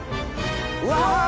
うわ！